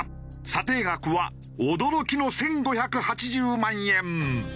査定額は驚きの１５８０万円。